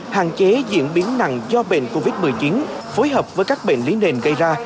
hạn chế diễn biến nặng do bệnh covid một mươi chín phối hợp với các bệnh lý nền gây ra